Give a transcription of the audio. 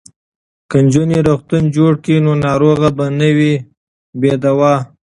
که نجونې روغتون جوړ کړي نو ناروغ به نه وي بې دواه.